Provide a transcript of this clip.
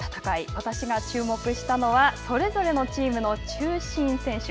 私が注目したのはそれぞれのチームの中心選手。